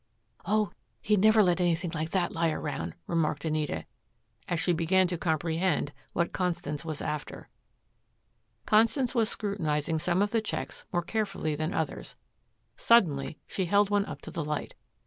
"Oh, he'd never let anything like that lie around," remarked Anita, as she began to comprehend what Constance was after. Constance was scrutinizing some of the checks more carefully than others. Suddenly she held one up to the light.